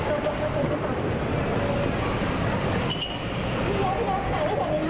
เพราะตอนนี้ก็ไม่มีเวลาให้เข้าไปที่นี่